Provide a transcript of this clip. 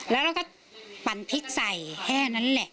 แล้วเราก็ปั่นพริกใส่แค่นั้นแหละ